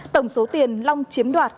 tổng số tiền long chiếm đoạt